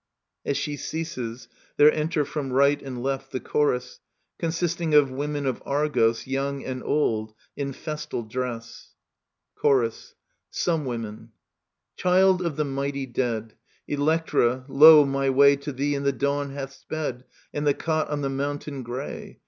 [As she ceases there enter from right and left the Chorus, consisting of women of Argos^ young and oldy in festal dress. Digitized by VjOOQIC ELECTRA II Chorus. Some Women. ^tl Child of the mighty dead, \Strophe. Electra, lo, my way To thee in the dawn hath sped, And the cot on the mountain grey.